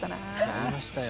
やりましたよ。